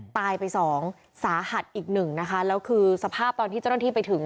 ตายไปสองสาหัสอีกหนึ่งนะคะแล้วคือสภาพตอนที่เจ้าหน้าที่ไปถึง